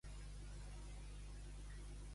Aquí està el verb.